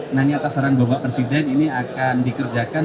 nah ini atas saran bapak presiden ini akan dikerjakan